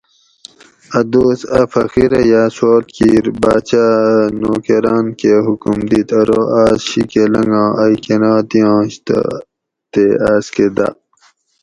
اۤ دوس اۤ فقیرہ یاۤ سوال کِیر باۤچاۤ اۤ نوکراۤن کہ حکم دِیت ارو آس شیکہ لنگا ائ کنا دِیاںش تہ تے آس کہ داۤ